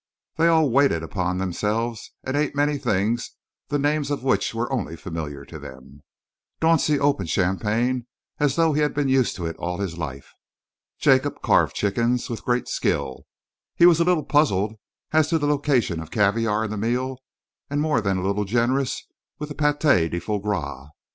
They all waited upon themselves and ate many things the names of which only were familiar to them. Dauncey opened champagne as though he had been used to it all his life. Jacob carved chickens with great skill, but was a little puzzled as to the location of caviare in the meal and more than a little generous with the pâté de foie gras.